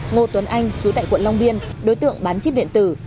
ngô tuấn anh chú tại quận long biên đối tượng bán chip điện tử